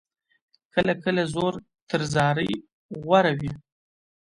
کله کله زور تر زارۍ غوره وي.